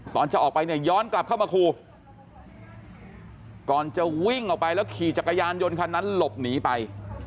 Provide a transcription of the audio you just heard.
จะออกไปเนี่ยย้อนกลับเข้ามาคู่ก่อนจะวิ่งออกไปแล้วขี่จักรยานยนต์คันนั้นหลบหนีไป